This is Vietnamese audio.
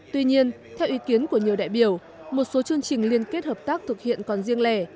tuy nhiên theo ý kiến của nhiều đại biểu một số chương trình liên kết hợp tác thực hiện còn riêng lẻ